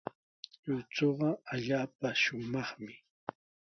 Lluychuqa allaapa shumaqmi.